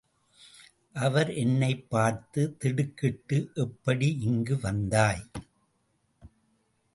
அவர் என்னைப் பார்த்து திடுக்கிட்டு எப்படி இங்கு வந்தாய்?